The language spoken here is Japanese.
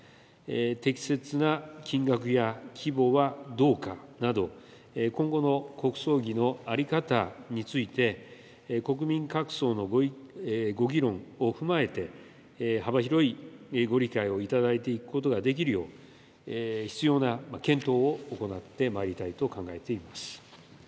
適切な金額や規模はどうかなど、今後の国葬儀の在り方について、国民各層のご議論を踏まえて、幅広いご理解を頂いていくことができるよう、必要な検討を行ってまいりたいと考えています。